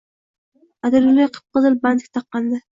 Atirgulday qip-qizil bantik taqqandi.